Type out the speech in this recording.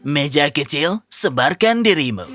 meja kecil sebarkan dirimu